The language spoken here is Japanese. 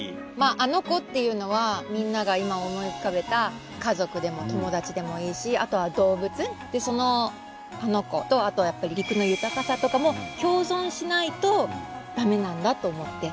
あの子っていうのはみんなが今思い浮かべた家族でも友達でもいいしあとは動物でそのあの子とやっぱり陸の豊かさとかも共存しないと駄目なんだと思って。